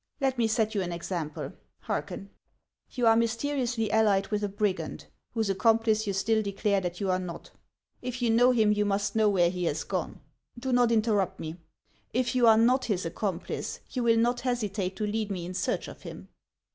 Let me set you an example ; hearken. You are mysteriously allied with a brigand, whose accomplice you still declare that you are not. If you know him, you must know where he has gone. Do not interrupt me. If you are not his accomplice, you will not hesitate to lead me in search of him